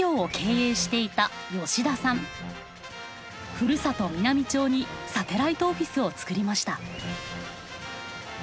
ふるさと美波町にサテライトオフィスを作りました。